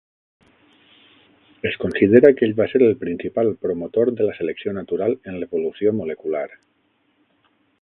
Es considera que ell va ser el principal promotor de la selecció natural en l'evolució molecular.